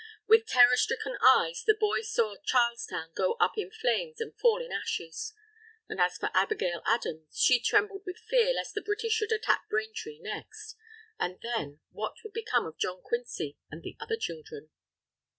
With terror stricken eyes, the boy saw Charlestown go up in flames and fall in ashes. And as for Abigail Adams, she trembled with fear lest the British should attack Braintree next; and then what would become of John Quincy and the other children?